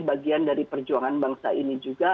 bagian dari perjuangan bangsa ini juga